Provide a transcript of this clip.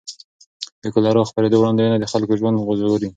د کولرا خپرېدو وړاندوینه د خلکو ژوند ژغوري.